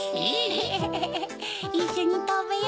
エヘヘいっしょにたべよう。